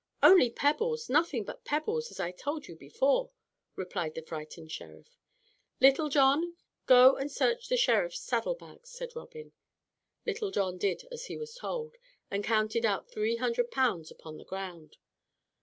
"Only pebbles, nothing but pebbles, as I told you before," replied the frightened Sheriff. "Little John, go and search the Sheriff's saddle bags," said Robin. Little John did as he was told, and counted out three hundred pounds upon the ground.